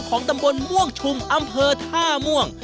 ตำบลม่วงชุมอำเภอท่าม่วง